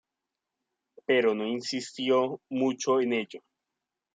Pero no insistió mucho en ello.